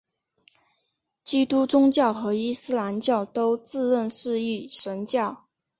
基督宗教和伊斯兰教都自认是一神教。